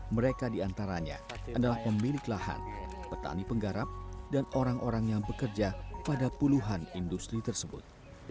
mereka diantaranya adalah pemilik lahan petani penggarap dan orang orang yang bekerja pada puluhan industri tersebut